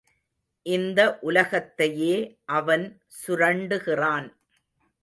இந்த உலகத்தையே அவன் சுரண்டுகிறான்.